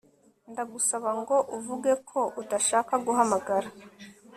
ndagusaba ngo uvuge ko udashaka guhamagara